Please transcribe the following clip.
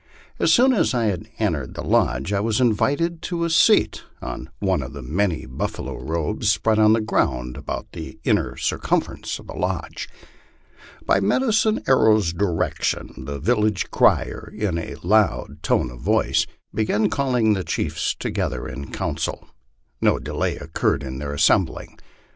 As soon as I had entered the lodge I was invited to a seat on one of the many buffalo robes spread on the ground about the inner circumference of the lodge. By Medicine Arrow's direction the village crier, in a loud tone of voice, began calling the chiefs together in council. No delay occurred in their assembling.